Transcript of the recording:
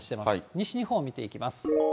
西日本、見ていきます。